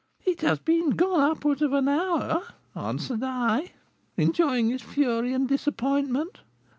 'It has been gone upwards of an hour,' answered I, enjoying his fury and disappointment.